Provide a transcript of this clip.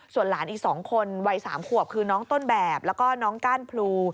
ส่วนหลานอีก๒คนวัย๓ขวบคือน้องต้นแบบแล้วก็น้องก้านพลู